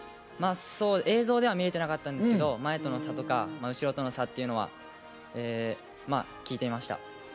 映像では見えていなかったんですけど、前との差とか後ろとの差は聞いていました。